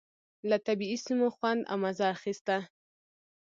له طبعي سیمو خوند او مزه اخيسته.